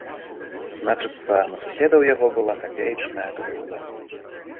Значыцца, на суседа ў яго была капеечная крыўда.